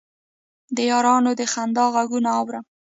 د یارانو د خندا غـــــــــــــــــږونه اورم